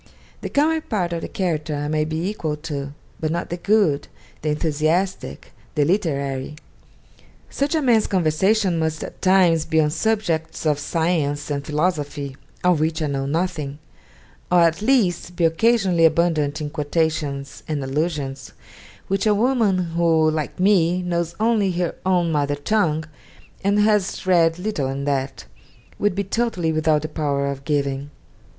The comic part of the character I might be equal to, but not the good, the enthusiastic, the literary. Such a man's conversation must at times be on subjects of science and philosophy, of which I know nothing; or at least be occasionally abundant in quotations and allusions which a woman who, like me, knows only her own mother tongue, and has read little in that, would be totally without the power of giving.